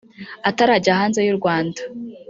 Atarajya hanze y’u Rwanda